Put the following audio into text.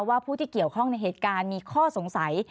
ผู้ที่เกี่ยวข้องในเหตุการณ์มีข้อสงสัย